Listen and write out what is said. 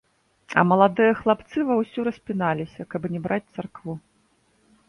А маладыя хлапцы ва ўсю распіналіся, каб не браць царкву.